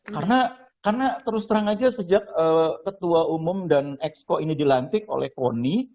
karena terus terang aja sejak ketua umum dan eksko ini dilantik oleh koni